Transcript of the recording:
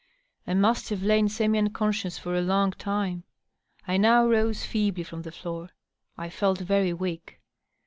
I must have lain semi unconscious for a long time. I now rose feebly j&om the floor. I felt very weak.